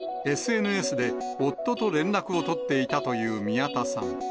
この日の夜まではＳＮＳで夫と連絡を取っていたという宮田さん。